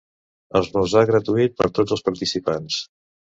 Esmorzar gratuït per tots els participants.